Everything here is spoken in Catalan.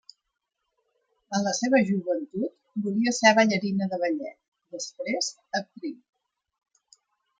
En la seva joventut, volia ser ballarina de ballet, després, actriu.